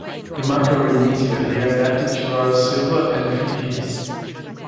In Macaronesia, they are adapted to laurisilva and tree heaths.